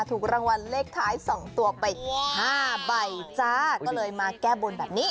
ถูกรางวัลเลขท้ายสองตัวไปห้าใบจ้าก็เลยมาแก้บนแบบนี้